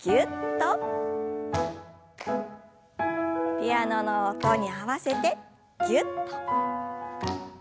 ピアノの音に合わせてぎゅっと。